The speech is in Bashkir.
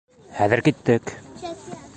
Хәҙер киттек!